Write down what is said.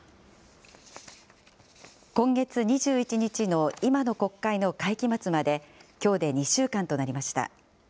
今月２１日の今の国会の会期末まできょうで２週間となりました。